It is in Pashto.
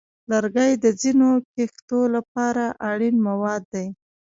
لرګي د ځینو کښتو لپاره اړین مواد دي.